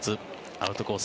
アウトコース